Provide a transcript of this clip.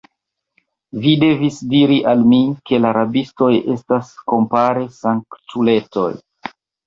Vi devis diri al mi, ke la rabistoj estas, kompare, sanktuletoj!